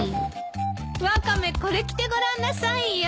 ワカメこれ着てごらんなさいよ。